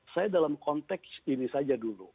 saya dalam konteks ini saja dulu